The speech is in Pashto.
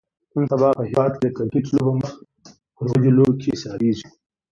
نن سبا په هیواد کې د کرکټ لوبه مخ پر ودې لوبو کې حسابیږي